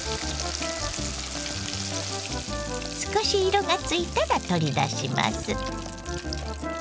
少し色がついたら取り出します。